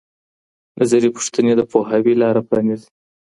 نظري پوښتنې د پوهاوي لاره پرانیزي.